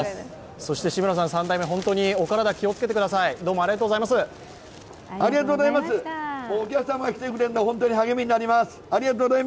そして志村さん、３代目、お体気をつけて頑張ってください。